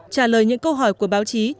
trả lời những câu hỏi của báo chí